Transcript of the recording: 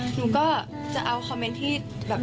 หนูก็จะเอาคอมเมนต์ที่แบบ